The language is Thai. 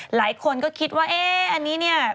หลายคนก็คิดว่าอะนี่นี่